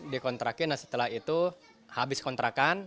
dikontrakin setelah itu habis kontrakan